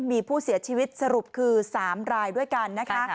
มีผู้เสียชีวิตสรุปคือ๓รายด้วยกันนะคะ